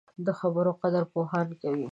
د خبرو قدر پوهان کوي